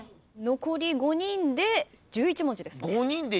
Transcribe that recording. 残り５人で１１文字ですね。